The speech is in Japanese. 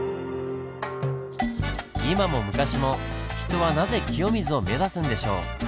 今も昔も人はなぜ清水を目指すんでしょう？